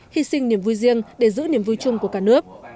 hy sinh niềm vui riêng để giữ niềm vui chung của cả nước